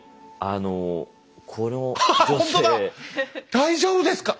大丈夫ですか？